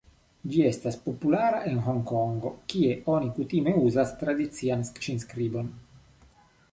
Ĝi estas populara en Honkongo kie oni kutime uzas tradician ĉin-skribon.